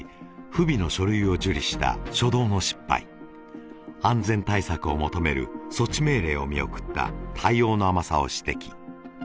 不備の書類を受理した初動の失敗安全対策を求める措置命令を見送った対応の甘さを指摘